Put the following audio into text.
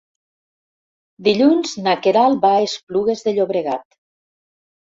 Dilluns na Queralt va a Esplugues de Llobregat.